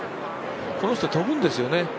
この人、飛ぶんですよね。